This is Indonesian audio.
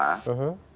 nah itu ya